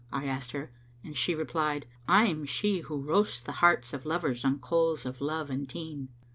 I asked her, and she replied, 'I'm she Who roasts the hearts of lovers on coals of love and teen.